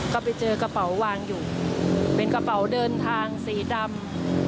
ก็ไปเจอกระเป๋าวางอยู่เป็นกระเป๋าเดินทางสีดำ